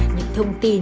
những thông tin